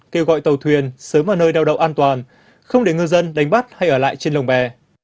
kêu gọi tàu thuyền sớm ở nơi đau đầu an toàn không để người dân đánh bắt hay ở lại trên lồng bè